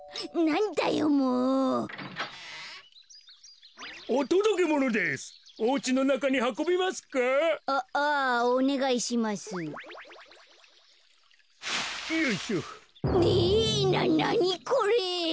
なにこれ？